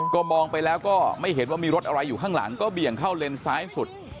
ก็มองไปแล้วก็ไม่เห็นว่ามีรถอะไรอยู่ข้างหลังก็เบี่ยงเข้าเลนซ้ายสุด